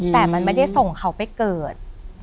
แต่มันไม่ได้ส่งเขาไปเกิด